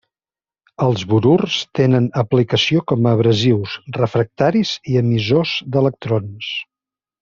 Els borurs tenen aplicació com a abrasius, refractaris i emissors d’electrons.